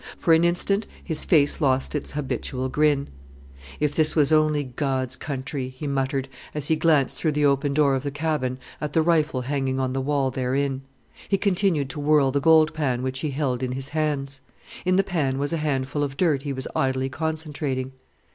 For an instant his face lost its habitual grin. "If this was only God's country," he muttered, as he glanced through the open door of the cabin at the rifle hanging on the wall therein. He continued to whirl the gold pan which he held in his hands. In the pan was a handful of dirt he was idly concentrating.